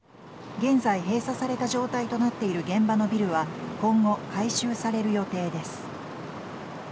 現在閉鎖された状態となっている現場のビルは、今後改修される予定です。